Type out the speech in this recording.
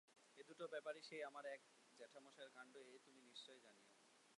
এ দুটো ব্যাপারই সেই আমার এক জ্যাঠামশায়েরই কাণ্ড এ তুমি নিশ্চয় জানিয়ো।